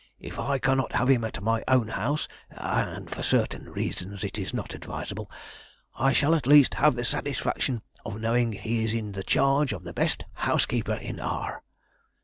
"If I cannot have him at my own house, and for certain reasons it is not advisable, I shall at least have the satisfaction of knowing he is in the charge of the best housekeeper in R